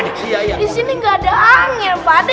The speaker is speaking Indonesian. di sini gak ada angin pak deh